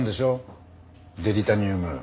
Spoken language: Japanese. デリタニウム。